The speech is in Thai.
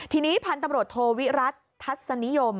ทีนี้พันธุ์ตำรวจโทวิรัติทัศนิยม